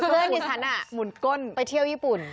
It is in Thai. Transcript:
เมื่อกี้ฉันอ่ะหมุนก้นไปเที่ยวยญี่ปุ่น